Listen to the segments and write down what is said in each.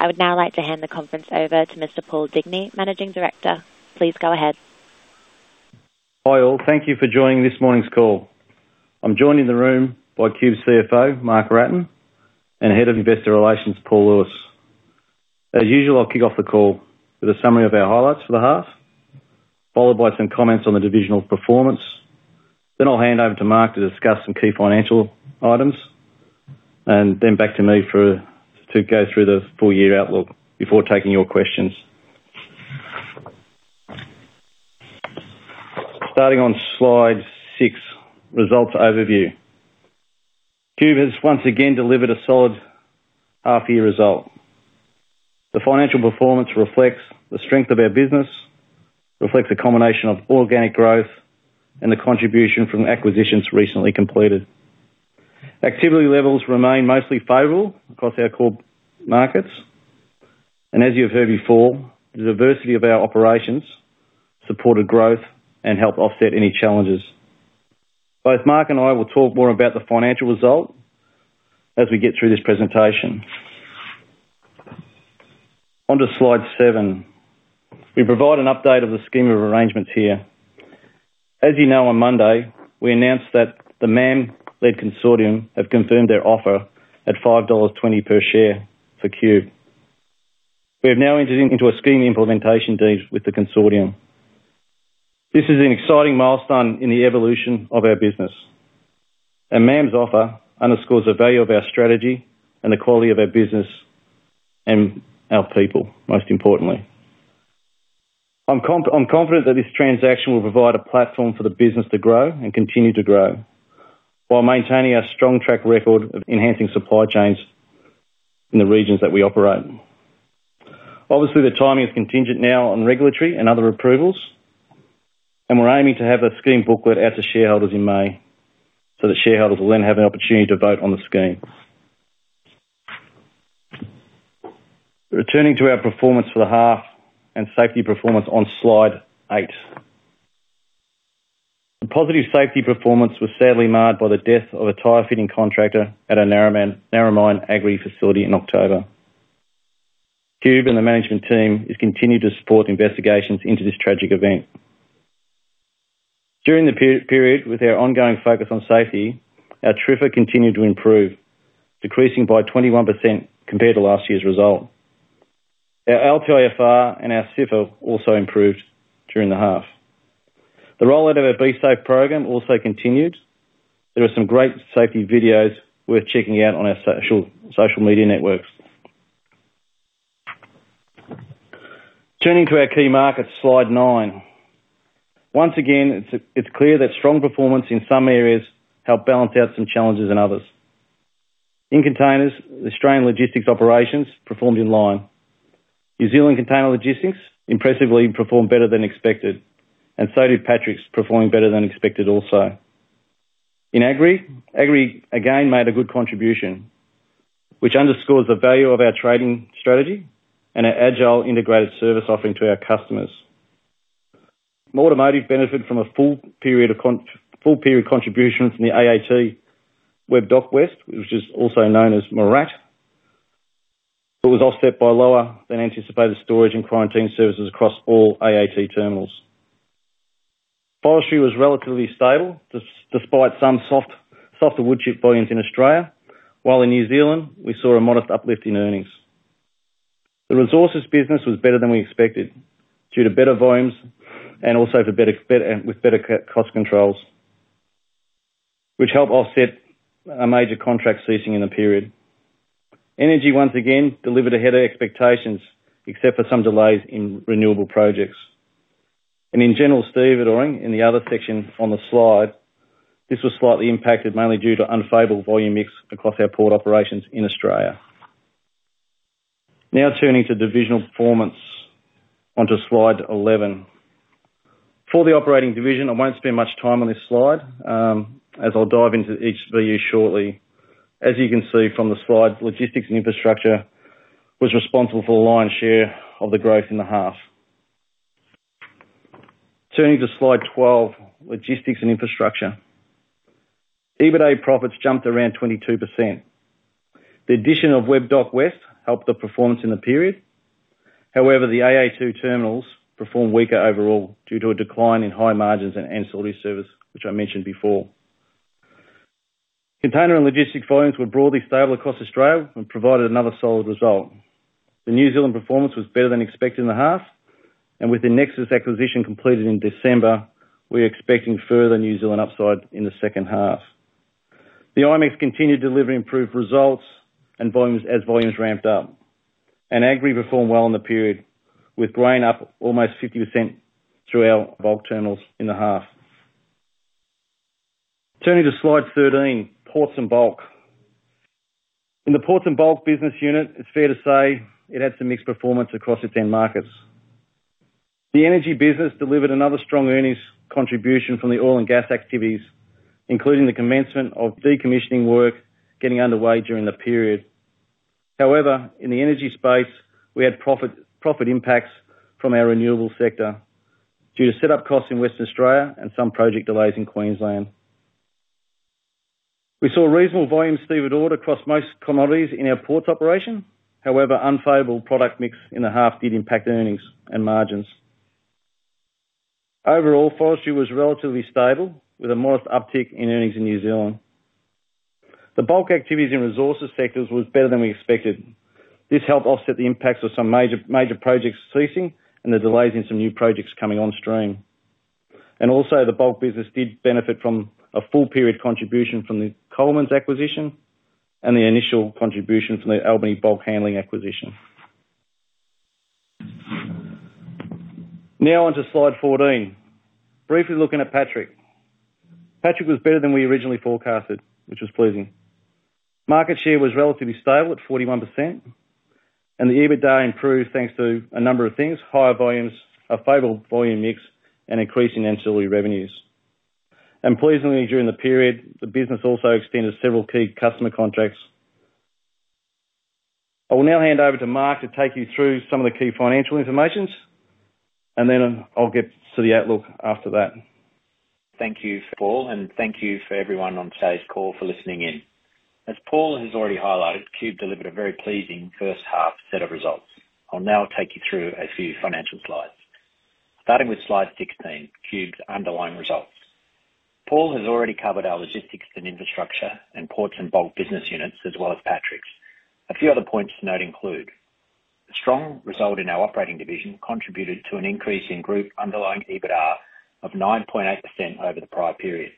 I would now like to hand the conference over to Mr. Paul Digney, Managing Director. Please go ahead. Hi, all. Thank you for joining this morning's call. I'm joined in the room by Qube's CFO, Mark Wratten, and Head of Investor Relations, Paul Lewis. As usual, I'll kick off the call with a summary of our highlights for the half, followed by some comments on the divisional performance. Then I'll hand over to Mark to discuss some key financial items, and then back to me for, to go through the full year outlook before taking your questions. Starting on slide 6, results overview. Qube has once again delivered a solid half year result. The financial performance reflects the strength of our business, reflects a combination of organic growth and the contribution from acquisitions recently completed. Activity levels remain mostly favorable across our core markets, and as you have heard before, the diversity of our operations supported growth and helped offset any challenges. Both Mark and I will talk more about the financial result as we get through this presentation. On to slide 7. We provide an update of the scheme of arrangements here. As you know, on Monday, we announced that the MAM-led consortium have confirmed their offer at 5.20 dollars per share for Qube. We have now entered into a Scheme Implementation Deed with the consortium. This is an exciting milestone in the evolution of our business, and MAM's offer underscores the value of our strategy and the quality of our business and our people, most importantly. I'm confident that this transaction will provide a platform for the business to grow and continue to grow while maintaining our strong track record of enhancing supply chains in the regions that we operate. Obviously, the timing is contingent now on regulatory and other approvals, and we're aiming to have a scheme booklet out to shareholders in May, so the shareholders will then have an opportunity to vote on the scheme. Returning to our performance for the half and safety performance on Slide 8. The positive safety performance was sadly marred by the death of a tire fitting contractor at a Narromine Agri facility in October. Qube and the management team is continuing to support investigations into this tragic event. During the period, with our ongoing focus on safety, our TRIR continued to improve, decreasing by 21% compared to last year's result. Our LTIFR and our CIFR also improved during the half. The rollout of our Be Safe program also continued. There are some great safety videos worth checking out on our social media networks. Turning to our key markets, slide 9. Once again, it's clear that strong performance in some areas helped balance out some challenges in others. In Containers, Australian Logistics operations performed in line. New Zealand Container Logistics impressively performed better than expected, and so did Patrick's, performing better than expected also. In Agri, Agri again made a good contribution, which underscores the value of our trading strategy and our agile integrated service offering to our customers. Automotive benefited from a full period contribution from the AAT Webb Dock West, which is also known as MIRRAT, but was offset by lower than anticipated storage and quarantine services across all AAT terminals. Forestry was relatively stable, despite some softer wood chip volumes in Australia, while in New Zealand, we saw a modest uplift in earnings. The Resources business was better than we expected due to better volumes and also to better cost controls, which helped offset a major contract ceasing in the period. Energy once again delivered ahead of expectations, except for some delays in renewable projects. In general stevedoring, in the other section on the slide, this was slightly impacted mainly due to unfavorable volume mix across our port operations in Australia. Now turning to divisional performance onto slide 11. For the Operating Division, I won't spend much time on this slide, as I'll dive into each view shortly. As you can see from the slide, Logistics and Infrastructure was responsible for the lion's share of the growth in the half. Turning to slide 12, Logistics and Infrastructure. EBITA profits jumped around 22%. The addition of Webb Dock West helped the performance in the period. However, the AAT terminals performed weaker overall due to a decline in high margins and ancillary service, which I mentioned before. Container and logistics volumes were broadly stable across Australia and provided another solid result. The New Zealand performance was better than expected in the half, and with the Nexus acquisition completed in December, we are expecting further New Zealand upside in the second half. The IMEX continued to deliver improved results and volumes as volumes ramped up, and Agri performed well in the period, with grain up almost 50% through our bulk terminals in the half. Turning to slide 13, Ports and Bulk. In the Ports and Bulk business unit, it's fair to say it had some mixed performance across its end markets. The energy business delivered another strong earnings contribution from the oil and gas activities, including the commencement of decommissioning work getting underway during the period. However, in the energy space, we had profit, profit impacts from our renewables sector due to set up costs in Western Australia and some project delays in Queensland. We saw reasonable volume stevedoring across most commodities in our ports operation. However, unfavorable product mix in the half did impact earnings and margins. Overall, Forestry was relatively stable, with a modest uptick in earnings in New Zealand. The bulk activities in Resources sectors was better than we expected. This helped offset the impacts of some major, major projects ceasing and the delays in some new projects coming on stream. And also, the bulk business did benefit from a full period contribution from the Colemans acquisition and the initial contribution from the Albany Bulk Handling acquisition. Now on to slide 14. Briefly looking at Patrick. Patrick was better than we originally forecasted, which was pleasing. Market share was relatively stable at 41%, and the EBITDA improved thanks to a number of things: higher volumes, a favorable volume mix, and increasing ancillary revenues. Pleasingly, during the period, the business also extended several key customer contracts. I will now hand over to Mark to take you through some of the key financial information, and then I'll get to the outlook after that. Thank you, Paul, and thank you for everyone on today's call for listening in. As Paul has already highlighted, Qube delivered a very pleasing first half set of results. I'll now take you through a few financial slides. Starting with slide 16, Qube's underlying results. Paul has already covered our Logistics and Infrastructure and Ports and Bulk business units, as well as Patrick's. A few other points to note include: the strong result in our Operating Division contributed to an increase in group underlying EBITDA of 9.8% over the prior period.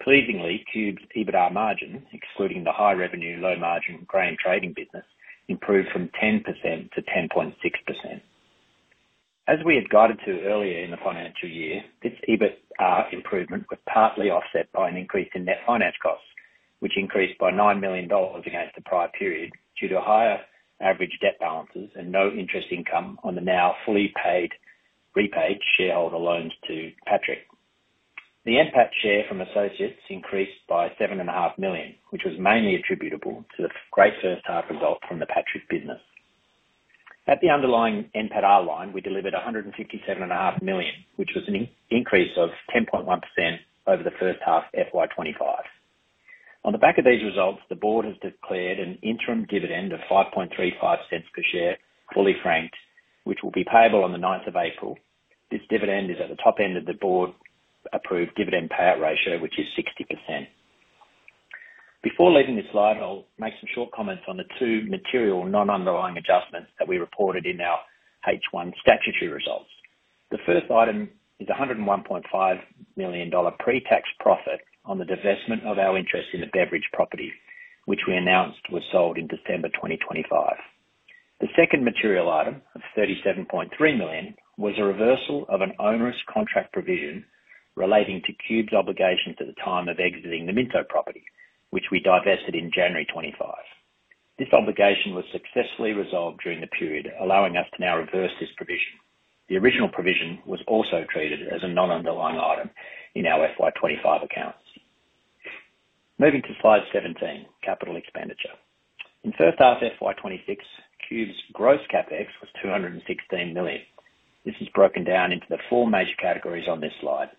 Pleasingly, Qube's EBITDA margin, excluding the high revenue, low margin grain trading business, improved from 10% to 10.6%. As we had guided to earlier in the financial year, this EBITDA improvement was partly offset by an increase in net finance costs, which increased by 9 million dollars against the prior period due to higher average debt balances and no interest income on the now fully paid, repaid shareholder loans to Patrick. The NPAT share from associates increased by 7.5 million, which was mainly attributable to the great first half result from the Patrick business. At the underlying NPATA line, we delivered 157.5 million, which was an increase of 10.1% over the first half of FY 2025. On the back of these results, the Board has declared an interim dividend of 0.0535 per share, fully franked, which will be payable on the ninth of April. This dividend is at the top end of the Board approved dividend payout ratio, which is 60%. Before leaving this slide, I'll make some short comments on the two material non-underlying adjustments that we reported in our H1 statutory results. The first item is 101.5 million dollar pre-tax profit on the divestment of our interest in the Beveridge property, which we announced was sold in December 2025. The second material item of 37.3 million was a reversal of an onerous contract provision relating to Qube's obligations at the time of exiting the Minto property, which we divested in January 2025. This obligation was successfully resolved during the period, allowing us to now reverse this provision. The original provision was also treated as a non-underlying item in our FY 2025 accounts. Moving to slide 17, capital expenditure. In first half FY 2026, Qube's gross CapEx was 216 million. This is broken down into the four major categories on this slide.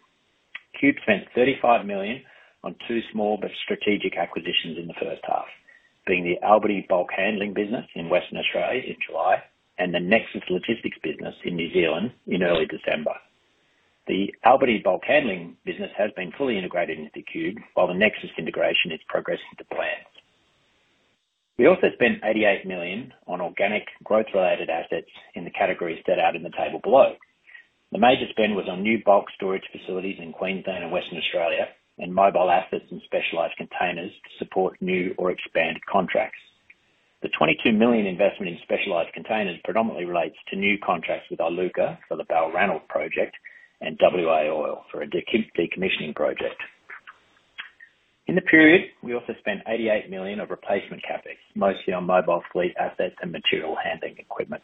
Qube spent 35 million on two small but strategic acquisitions in the first half, being the Albany Bulk Handling business in Western Australia in July and the Nexus Logistics business in New Zealand in early December. The Albany Bulk Handling business has been fully integrated into Qube, while the Nexus integration is progressing to plan. We also spent 88 million on organic growth-related assets in the categories set out in the table below. The major spend was on new bulk storage facilities in Queensland and Western Australia, and mobile assets and specialized containers to support new or expanded contracts. The 22 million investment in specialized containers predominantly relates to new contracts with Iluka for the Balranald project and WA Oil for a decommissioning project. In the period, we also spent 88 million of replacement CapEx, mostly on mobile fleet assets and material handling equipment.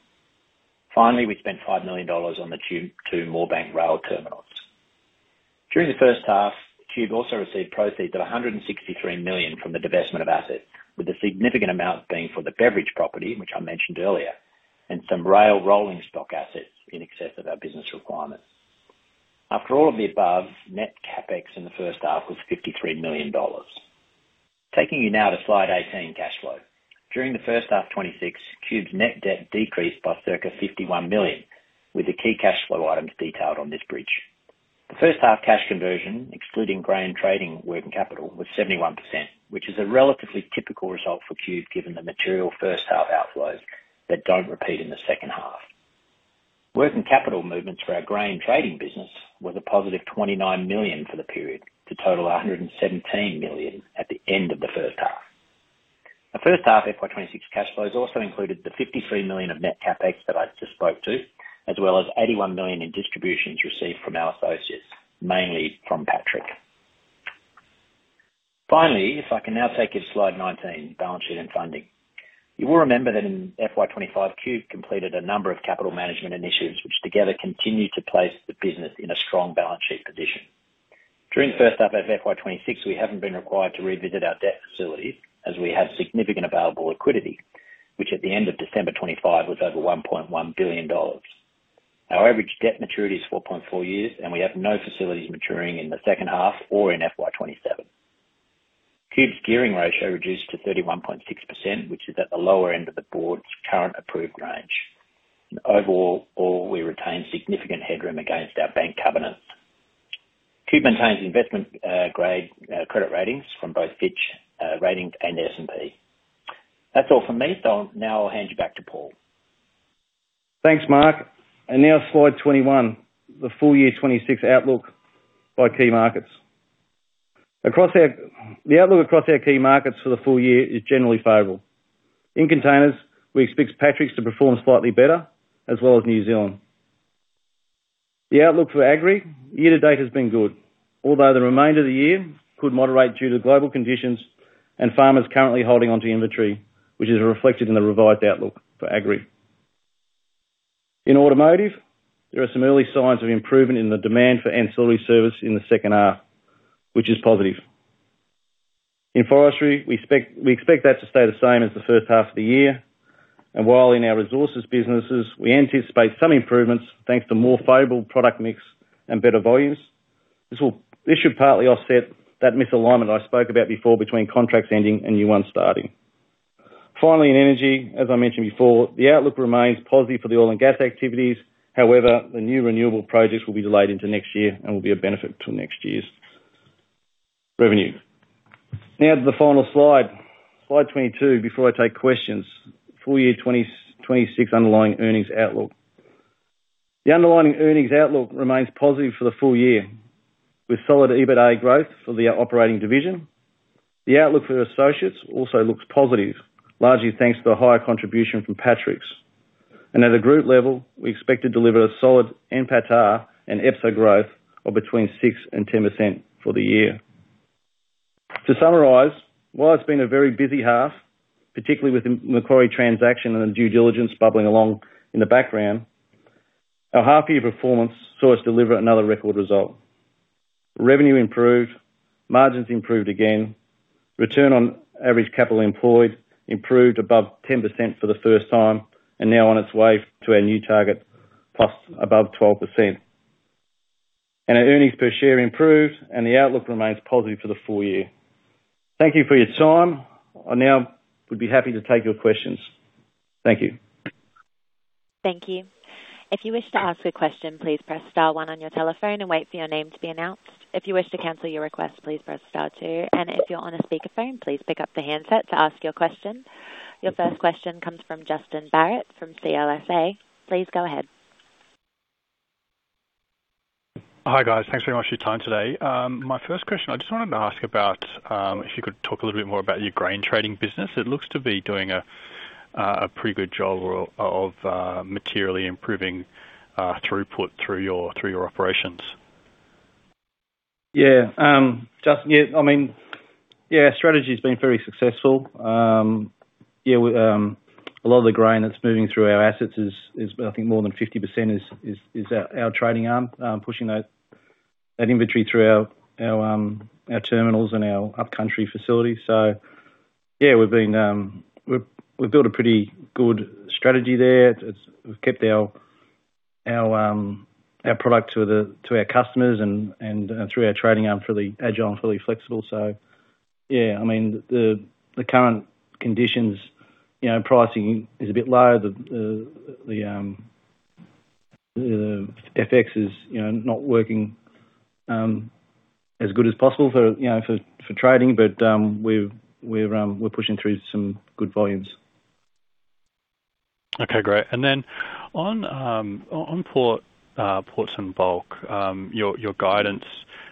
Finally, we spent 5 million dollars on the two Moorebank rail terminals. During the first half, Qube also received proceeds of 163 million from the divestment of assets, with a significant amount being for the Beveridge property, which I mentioned earlier, and some rail rolling stock assets in excess of our business requirements. After all of the above, net CapEx in the first half was 53 million dollars. Taking you now to slide 18, cash flow. During the first half 2026, Qube's net debt decreased by circa 51 million, with the key cash flow items detailed on this bridge. The first half cash conversion, excluding grain trading working capital, was 71%, which is a relatively typical result for Qube, given the material first half outflows that don't repeat in the second half. Working capital movements for our grain trading business were a +29 million for the period, to total 117 million at the end of the first half. The first half FY 2026 cash flows also included the 53 million of net CapEx that I just spoke to, as well as 81 million in distributions received from our associates, mainly from Patrick. Finally, if I can now take you to slide 19, balance sheet and funding. You will remember that in FY 2025, Qube completed a number of capital management initiatives, which together continued to place the business in a strong balance sheet position. During the first half of FY 2026, we haven't been required to revisit our debt facilities as we have significant available liquidity, which at the end of December 2025, was over 1.1 billion dollars. Our average debt maturity is 4.4 years, and we have no facilities maturing in the second half or in FY 2027. Qube's gearing ratio reduced to 31.6%, which is at the lower end of the Board's current approved range. And overall, all we retain significant headroom against our bank covenants. Qube maintains investment grade credit ratings from both Fitch Ratings and S&P. That's all from me, so now I'll hand you back to Paul. Thanks, Mark. And now slide 21, the full year 2026 outlook by key markets. The outlook across our key markets for the full year is generally favorable. In Containers, we expect Patrick's to perform slightly better, as well as New Zealand. The outlook for Agri year to date has been good, although the remainder of the year could moderate due to global conditions and farmers currently holding onto inventory, which is reflected in the revised outlook for Agri. In Automotive, there are some early signs of improvement in the demand for ancillary service in the second half, which is positive. In Forestry, we expect, we expect that to stay the same as the first half of the year. And while in our Resources businesses, we anticipate some improvements thanks to more favorable product mix and better volumes. This should partly offset that misalignment I spoke about before between contracts ending and new ones starting. Finally, in energy, as I mentioned before, the outlook remains positive for the oil and gas activities. However, the new renewable projects will be delayed into next year and will be a benefit to next year's revenue. Now to the final slide, slide 22, before I take questions. Full year 2026 underlying earnings outlook. The underlying earnings outlook remains positive for the full year, with solid EBITA growth for the Operating Division. The outlook for associates also looks positive, largely thanks to the higher contribution from Patrick's. And at a group level, we expect to deliver a solid NPATA and EPSA growth of between 6% and 10% for the year. To summarize, while it's been a very busy half, particularly with the Macquarie transaction and the due diligence bubbling along in the background, our half year performance saw us deliver another record result. Revenue improved, margins improved again, return on average capital employed improved above 10% for the first time and now on its way to our new target, plus above 12%. Our earnings per share improved, and the outlook remains positive for the full year. Thank you for your time. I now would be happy to take your questions. Thank you. Thank you. If you wish to ask a question, please press star one on your telephone and wait for your name to be announced. If you wish to cancel your request, please press star two. And if you're on a speakerphone, please pick up the handset to ask your question. Your first question comes from Justin Barratt from CLSA. Please go ahead. Hi, guys. Thanks very much for your time today. My first question, I just wanted to ask about if you could talk a little bit more about your grain trading business. It looks to be doing a pretty good job of materially improving throughput through your operations. Yeah. Justin, yeah, I mean, yeah, our strategy's been very successful. Yeah, we, a lot of the grain that's moving through our assets is, I think more than 50% is our trading arm pushing that inventory through our terminals and our upcountry facilities. So yeah, we've been, we've built a pretty good strategy there. It's, we've kept our product to our customers and through our trading arm, fully agile and fully flexible. So yeah, I mean, the current conditions, you know, pricing is a bit low. The FX is, you know, not working as good as possible for, you know, for trading. But, we're pushing through some good volumes. Okay, great. And then on Ports and Bulk, your guidance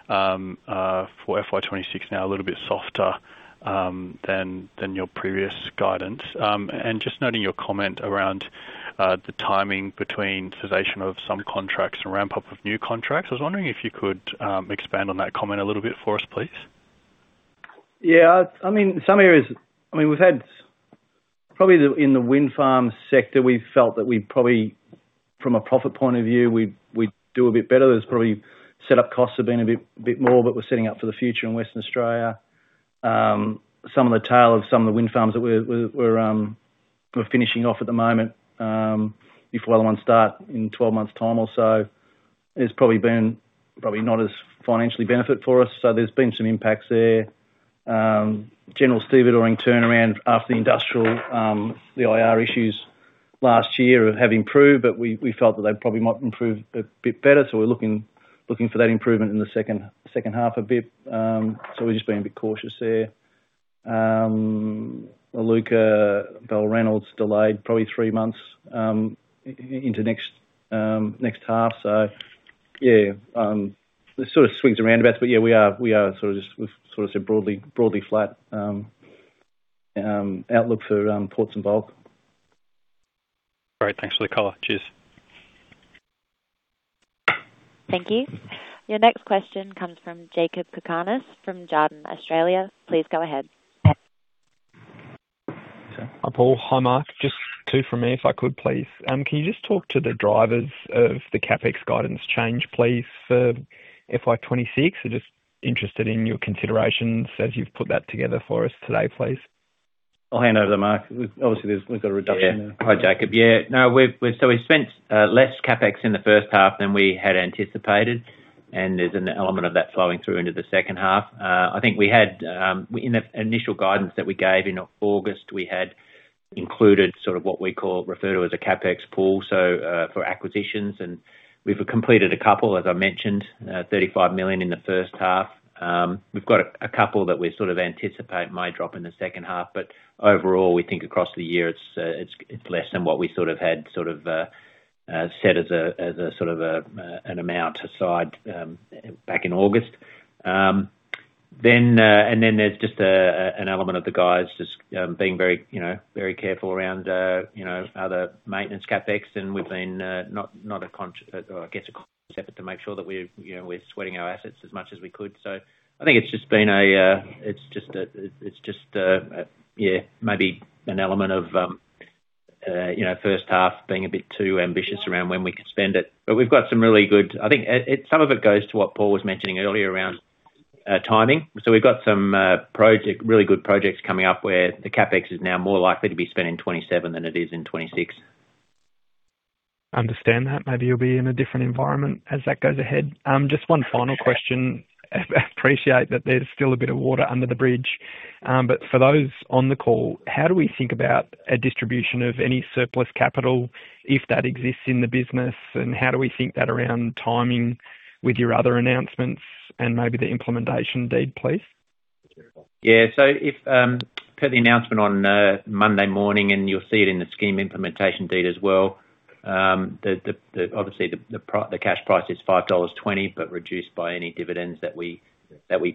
for FY 2026 now a little bit softer than your previous guidance. And just noting your comment around the timing between cessation of some contracts and ramp up of new contracts, I was wondering if you could expand on that comment a little bit for us, please? Yeah, I mean, some areas... I mean, we've had probably the in the wind farm sector, we've felt that we've probably, from a profit point of view, we'd do a bit better. There's probably set up costs have been a bit more, but we're setting up for the future in Western Australia. Some of the tail of some of the wind farms that we're finishing off at the moment, before other ones start in 12 months time or so, it's probably been probably not as financially benefit for us, so there's been some impacts there. General stevedoring turnaround after the industrial, the IR issues last year have improved, but we felt that they probably might improve a bit better, so we're looking for that improvement in the second half a bit. So we're just being a bit cautious there. Iluka, Balranald delayed probably three months into next half. So yeah, it sort of swings around about, but yeah, we are sort of we've sort of said broadly flat outlook for Ports and Bulk. Great. Thanks for the color. Cheers. Thank you. Your next question comes from Jakob Cakarnis, from Jarden Australia. Please go ahead. Hi, Paul. Hi, Mark. Just two from me, if I could please. Can you just talk to the drivers of the CapEx guidance change, please, for FY 2026? I'm just interested in your considerations as you've put that together for us today, please. I'll hand over to Mark. We've obviously got a reduction there. Yeah. Hi, Jakob. Yeah, no, we've so we spent less CapEx in the first half than we had anticipated, and there's an element of that flowing through into the second half. I think we had in the initial guidance that we gave in August, we had included sort of what we call, refer to as a CapEx pool, so for acquisitions, and we've completed a couple, as I mentioned, 35 million in the first half. We've got a couple that we sort of anticipate may drop in the second half, but overall, we think across the year, it's less than what we sort of had sort of set as a sort of a an amount aside back in August. Then there's just an element of the guys just being very, you know, very careful around, you know, other maintenance CapEx, and we've been not consciously, I guess, trying to make sure that we're, you know, we're sweating our assets as much as we could. So I think it's just been a, yeah, maybe an element of, you know, first half being a bit too ambitious around when we could spend it. But we've got some really good... I think, some of it goes to what Paul was mentioning earlier around timing. So we've got some really good projects coming up, where the CapEx is now more likely to be spent in 2027 than it is in 2026. Understand that. Maybe you'll be in a different environment as that goes ahead. Just one final question. Appreciate that there's still a bit of water under the bridge, but for those on the call, how do we think about a distribution of any surplus capital, if that exists in the business? And how do we think that around timing with your other announcements and maybe the implementation deed, please? Yeah. So if per the announcement on Monday morning, and you'll see it in the Scheme Implementation Deed as well, obviously the cash price is 5.20 dollars, but reduced by any dividends that we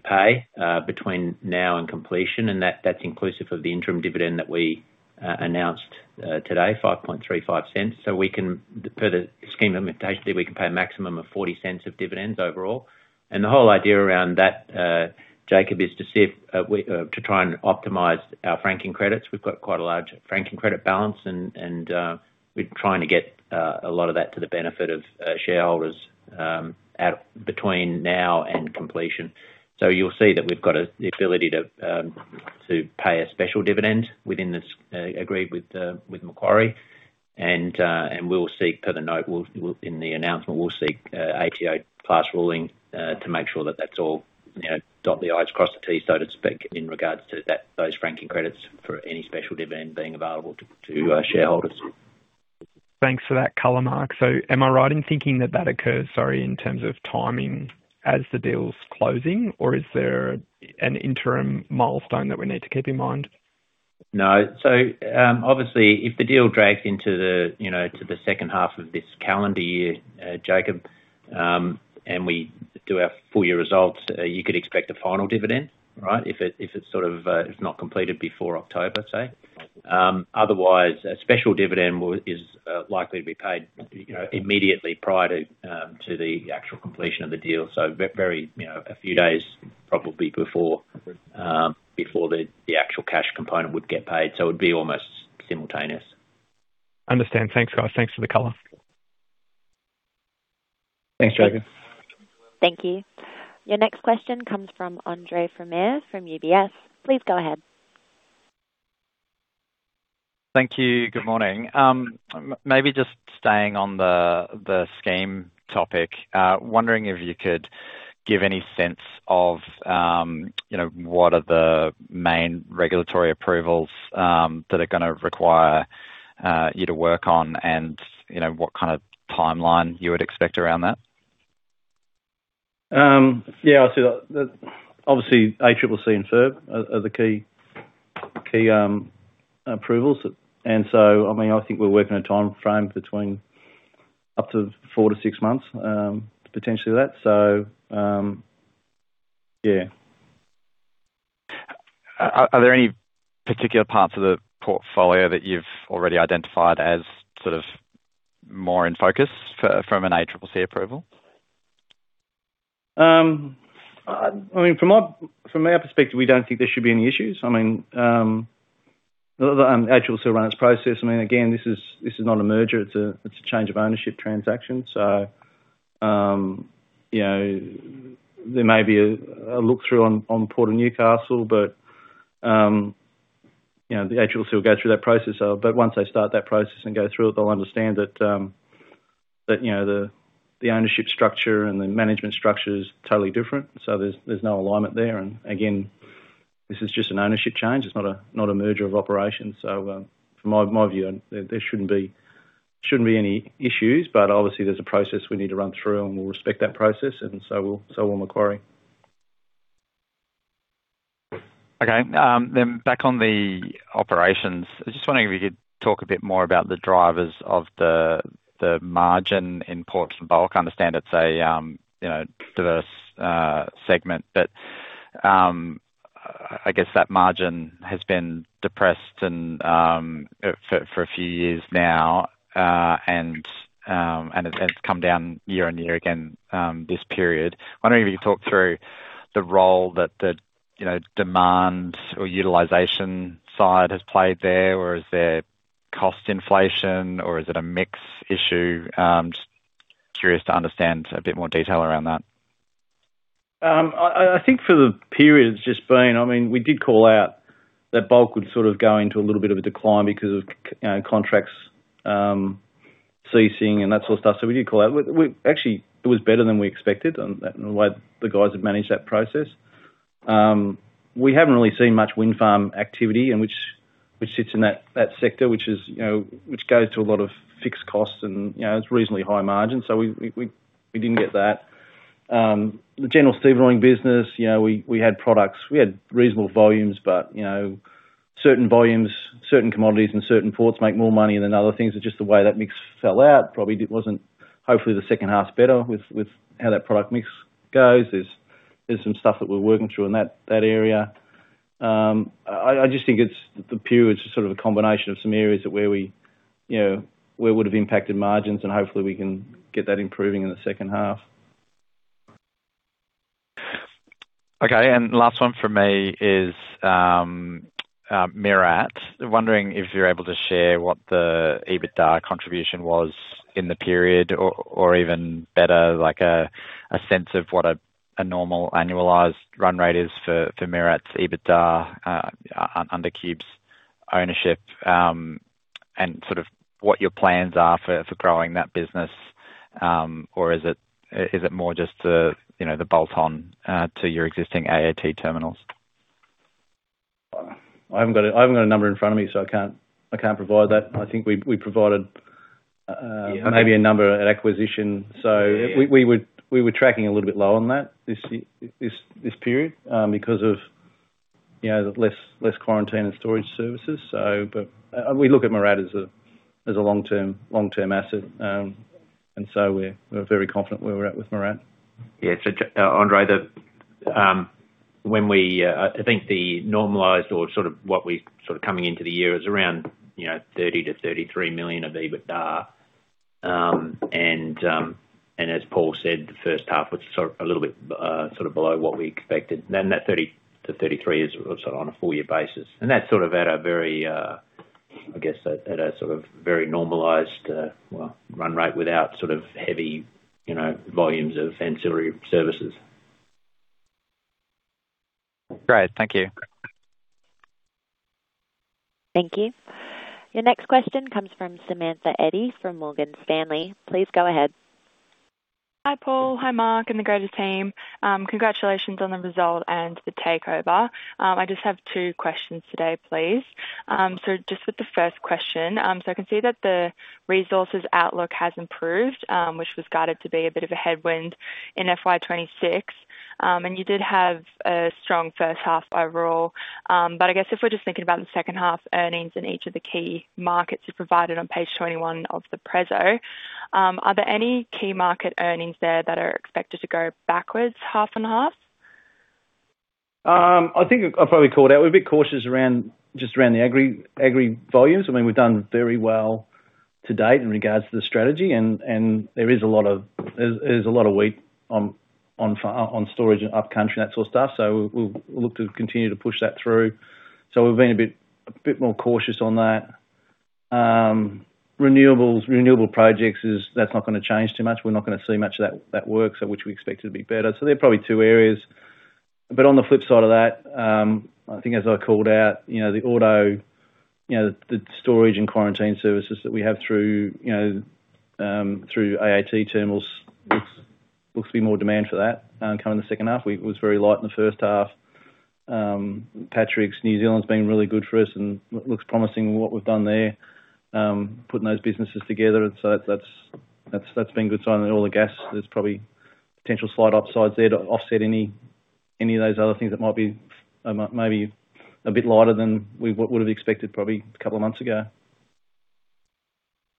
pay between now and completion, and that's inclusive of the interim dividend that we announced today, 0.0535. So per the Scheme Implementation, we can pay a maximum of 0.40 of dividends overall. And the whole idea around that, Jakob, is to try and optimize our franking credits. We've got quite a large franking credit balance and we're trying to get a lot of that to the benefit of shareholders between now and completion. So you'll see that we've got the ability to pay a special dividend within this agreed with Macquarie, and we'll seek per the note. In the announcement, we'll seek ATO class ruling to make sure that that's all, you know, dot the I's, cross the T's, so to speak, in regards to those franking credits for any special dividend being available to shareholders. Thanks for that color, Mark. So am I right in thinking that that occurs, sorry, in terms of timing as the deal's closing, or is there an interim milestone that we need to keep in mind? No. So, obviously, if the deal drags into the, you know, to the second half of this calendar year, Jakob, and we do our full year results, you could expect a final dividend, right? If it, if it's sort of, if not completed before October, say. Otherwise, a special dividend will, is, likely to be paid, you know, immediately prior to, to the actual completion of the deal. So very, you know, a few days, probably before, before the, the actual cash component would get paid, so it would be almost simultaneous. Understand. Thanks, guys. Thanks for the color. Thanks, Jakob. Thank you. Your next question comes from Andre Fromyhr from UBS. Please go ahead. Thank you. Good morning. Maybe just staying on the scheme topic, wondering if you could give any sense of, you know, what are the main regulatory approvals that are gonna require you to work on and, you know, what kind of timeline you would expect around that? Yeah, I'd say that, obviously, ACCC and FIRB are the key approvals. And so, I mean, I think we're working a timeframe between up to 4-6 months, potentially that. So, yeah. Are there any particular parts of the portfolio that you've already identified as sort of more in focus for, from an ACCC approval? I mean, from our perspective, we don't think there should be any issues. I mean, the actual sale process, I mean, again, this is not a merger, it's a change of ownership transaction. So, you know, there may be a look-through on Port of Newcastle, but, you know, the actual sale go through that process of... But once they start that process and go through it, they'll understand that, you know, the ownership structure and the management structure is totally different. So there's no alignment there, and again, this is just an ownership change. It's not a merger of operations. So, from my view, there shouldn't be any issues, but obviously, there's a process we need to run through, and we'll respect that process, and so will Macquarie. Okay. Then back on the operations. I just wondering if you could talk a bit more about the drivers of the, the margin in Ports and Bulk. I understand it's a, you know, diverse segment, but I guess that margin has been depressed and, for, for a few years now, and, and it's come down year-over-year again, this period. I wonder if you could talk through the role that the, you know, demand or utilization side has played there, or is there cost inflation, or is it a mix issue? Just curious to understand a bit more detail around that. I think for the period, it's just been, I mean, we did call out that bulk would sort of go into a little bit of a decline because of you know, contracts ceasing and that sort of stuff, so we did call out. We actually, it was better than we expected, and that and the way the guys have managed that process. We haven't really seen much wind farm activity, and which sits in that sector, which is, you know, which goes to a lot of fixed costs and, you know, it's reasonably high margin, so we didn't get that. The general stevedoring business, you know, we had products, we had reasonable volumes, but, you know, certain volumes, certain commodities, and certain ports make more money than other things. It's just the way that mix fell out, probably wasn't. Hopefully, the second half's better with how that product mix goes. There's some stuff that we're working through in that area. I just think it's the period's just sort of a combination of some areas that where we, you know, where would've impacted margins and hopefully we can get that improving in the second half. Okay, and last one from me is MIRRAT. Wondering if you're able to share what the EBITDA contribution was in the period, or even better, like a sense of what a normal annualized run rate is for MIRRAT's EBITDA under Qube's ownership, and sort of what your plans are for growing that business, or is it more just the, you know, the bolt on to your existing AAT terminals? I haven't got a number in front of me, so I can't provide that. I think we provided Yeah. Maybe a number at acquisition. Yeah. So we were tracking a little bit low on that, this period, because of, you know, the less quarantine and storage services. So but, we look at MIRRAT as a long-term asset, and so we're very confident where we're at with MIRRAT. Yeah, so Andre, I think the normalized or sort of what we sort of coming into the year is around, you know, 30 million-33 million of EBITDA. And as Paul said, the first half was sort of a little bit sort of below what we expected. Then that 30-33 is, sort of, on a full year basis, and that's sort of at a very, I guess at a sort of very normalized, well, run rate without sort of heavy, you know, volumes of ancillary services. Great. Thank you. Thank you. Your next question comes from Samantha Edie, from Morgan Stanley. Please go ahead. Hi, Paul. Hi, Mark, and the greater team. Congratulations on the result and the takeover. I just have two questions today, please. So just with the first question, so I can see that the Resources outlook has improved, which was guided to be a bit of a headwind in FY 2026. And you did have a strong first half overall, but I guess if we're just thinking about the second half earnings in each of the key markets you provided on page 21 of the preso, are there any key market earnings there that are expected to go backwards half and half? I think I probably called out, we're a bit cautious around, just around the Agri, Agri volumes. I mean, we've done very well to date in regards to the strategy, and, and there is a lot of there, there's a lot of weight on, on storage, upcountry, and that sort of stuff, so we'll look to continue to push that through. So we've been a bit, a bit more cautious on that. Renewables, renewable projects is, that's not gonna change too much. We're not gonna see much of that, that work, so which we expect it to be better. So they're probably two areas, but on the flip side of that, I think as I called out, you know, the auto, you know, the storage and quarantine services that we have through, you know, through AAT terminals, looks to be more demand for that, come in the second half. It was very light in the first half. Patrick's, New Zealand's been really good for us and looks promising what we've done there, putting those businesses together. So that's, that's, that's been a good sign. And all the gas, there's probably potential slight upsides there to offset any, any of those other things that might be, maybe a bit lighter than what would've expected probably a couple of months ago.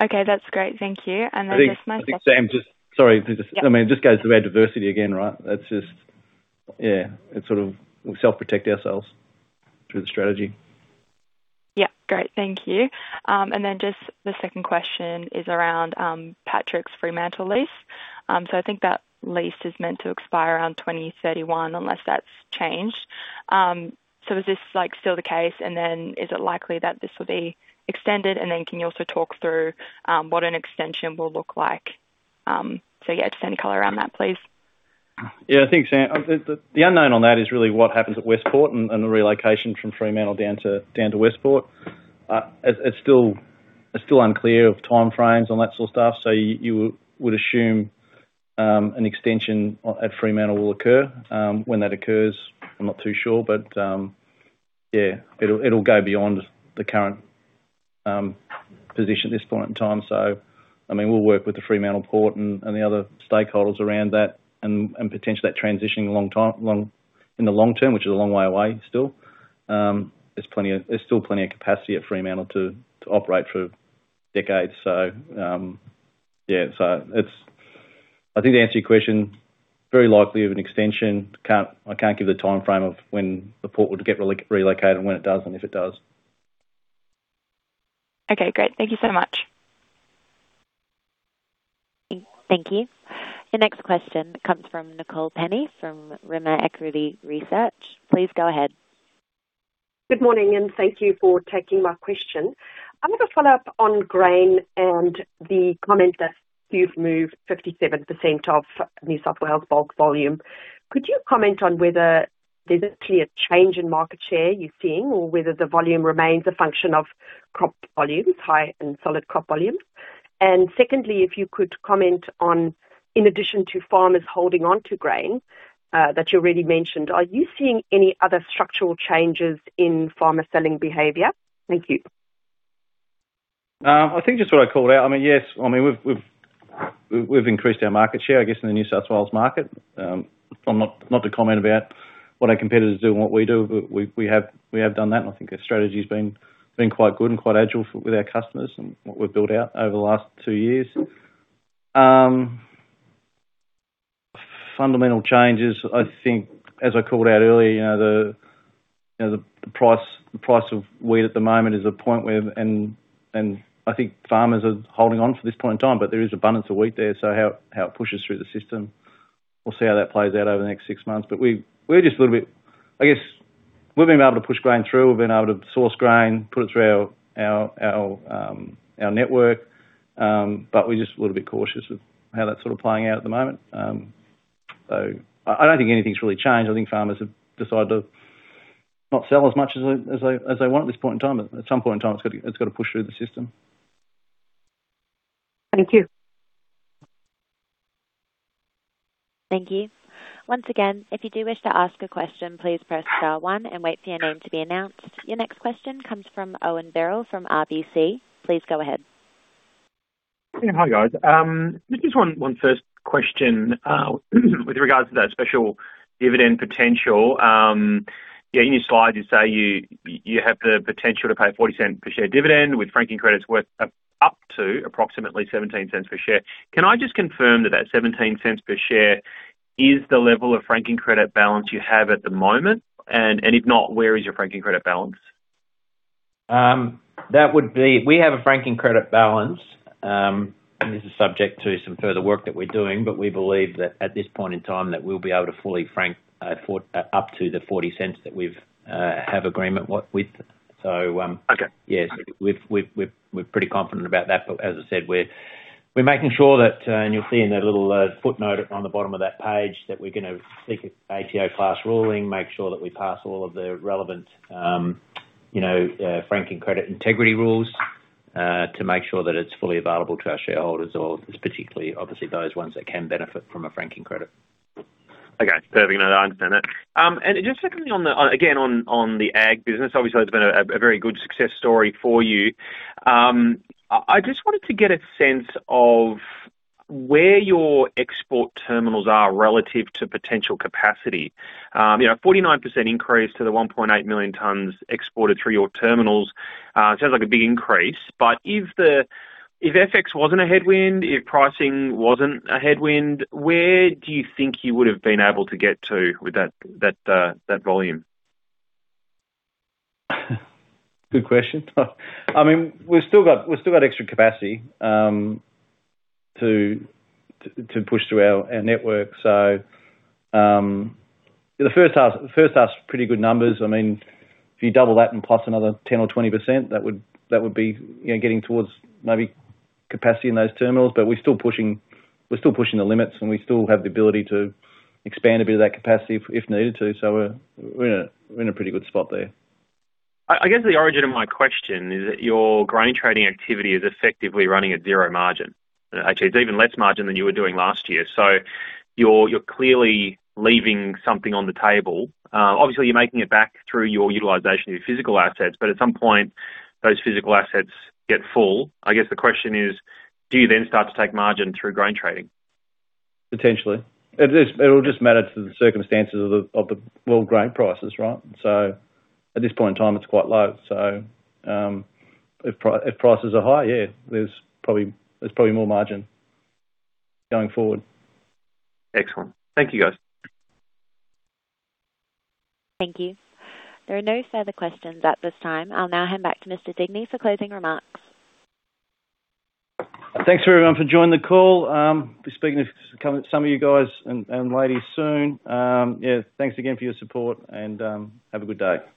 Okay, that's great. Thank you. And then just my second- I think, Sam, just. Sorry, just. Yep. I mean, it just goes to our diversity again, right? That's just, yeah, it sort of, we self-protect ourselves through the strategy. Yeah. Great, thank you. And then just the second question is around Patrick's Fremantle lease. So I think that lease is meant to expire around 2031, unless that's changed. So is this, like, still the case? And then is it likely that this will be extended? And then can you also talk through what an extension will look like? So yeah, just any color around that, please. Yeah, I think, Sam, the unknown on that is really what happens at Westport and the relocation from Fremantle down to Westport. It's still unclear of timeframes on that sort of stuff, so you would assume an extension at Fremantle will occur. When that occurs, I'm not too sure, but yeah, it'll go beyond the current position at this point in time. So, I mean, we'll work with the Fremantle Port and the other stakeholders around that and potentially that transitioning a long time in the long term, which is a long way away still. There's still plenty of capacity at Fremantle to operate through decades, so yeah. So I think to answer your question, very likely of an extension. Can't, I can't give you the timeframe of when the port would get relocated, and when it does, and if it does. Okay, great. Thank you so much. Thank you. The next question comes from Nicole Penny, from Rimor Equity Research. Please go ahead. Good morning, and thank you for taking my question. I want to follow up on grain and the comment that you've moved 57% of New South Wales bulk volume. Could you comment on whether there's a clear change in market share you're seeing or whether the volume remains a function of crop volumes, high and solid crop volumes? And secondly, if you could comment on, in addition to farmers holding on to grain, that you already mentioned, are you seeing any other structural changes in farmer selling behavior? Thank you. I think just what I called out, I mean, yes, I mean, we've increased our market share, I guess, in the New South Wales market. I'm not to comment about what our competitors do and what we do, but we have done that, and I think our strategy's been quite good and quite agile with our customers and what we've built out over the last two years. Fundamental changes, I think, as I called out earlier, you know, the price of wheat at the moment is a point where... and I think farmers are holding on for this point in time, but there is abundance of wheat there, so how it pushes through the system, we'll see how that plays out over the next six months. But we're just a little bit... I guess, we've been able to push grain through. We've been able to source grain, put it through our network, but we're just a little bit cautious of how that's sort of playing out at the moment. So I don't think anything's really changed. I think farmers have decided to not sell as much as they want at this point in time, but at some point in time, it's gotta push through the system. Thank you. Thank you. Once again, if you do wish to ask a question, please press star one and wait for your name to be announced. Your next question comes from Owen Birrell, from RBC. Please go ahead. Yeah. Hi, guys. Just one first question with regards to that special dividend potential. Yeah, in your slides, you say you have the potential to pay 0.40 per share dividend, with franking credit worth up to approximately 0.17 per share. Can I just confirm that that 0.17 per share is the level of franking credit balance you have at the moment? And if not, where is your franking credit balance? That would be. We have a franking credits balance, and this is subject to some further work that we're doing, but we believe that at this point in time that we'll be able to fully frank up to the 0.40 that we have agreement with. So- Okay. Yes, we're pretty confident about that. But as I said, we're making sure that, and you'll see in that little footnote on the bottom of that page, that we're gonna seek ATO class ruling, make sure that we pass all of the relevant, you know, franking credit integrity rules, to make sure that it's fully available to our shareholders or particularly obviously those ones that can benefit from a franking credit. Okay, perfect. No, I understand that. And just secondly, on the, again, on, on the ag business, obviously that's been a, a very good success story for you. I just wanted to get a sense of where your export terminals are relative to potential capacity. You know, 49% increase to the 1.8 million tons exported through your terminals, sounds like a big increase, but if the, if FX wasn't a headwind, if pricing wasn't a headwind, where do you think you would have been able to get to with that, that, that volume? Good question. I mean, we've still got, we've still got extra capacity to push through our network. So, the first half, the first half's pretty good numbers. I mean, if you double that and plus another 10%-20%, that would be, you know, getting towards maybe capacity in those terminals. But we're still pushing, we're still pushing the limits, and we still have the ability to expand a bit of that capacity if needed to. So we're in a pretty good spot there. I guess the origin of my question is that your grain trading activity is effectively running at zero margin. Actually, it's even less margin than you were doing last year, so you're clearly leaving something on the table. Obviously, you're making it back through your utilization of your physical assets, but at some point, those physical assets get full. I guess the question is: do you then start to take margin through grain trading? Potentially. It just, it will just matter to the circumstances of the grain prices, right? So at this point in time, it's quite low. So, if prices are high, yeah, there's probably more margin going forward. Excellent. Thank you, guys. Thank you. There are no further questions at this time. I'll now hand back to Mr. Digney for closing remarks. Thanks, everyone, for joining the call. Be speaking to some of you guys and ladies soon. Yeah, thanks again for your support and, have a good day.